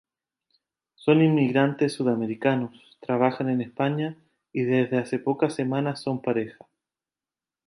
Son inmigrantes sudamericanos, trabajan en España y desde hace pocas semanas son pareja.